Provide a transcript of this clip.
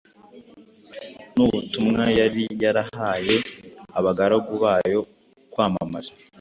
n’ubutumwa yari yarahaye abagaragu bayo kwamamaza.